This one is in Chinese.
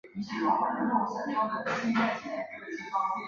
萼状微孔草为紫草科微孔草属下的一个种。